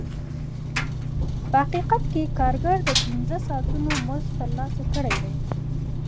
په حقیقت کې کارګر د پنځه ساعتونو مزد ترلاسه کړی دی